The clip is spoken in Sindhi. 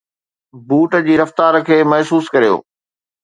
بوٽ جي رفتار کي محسوس ڪريو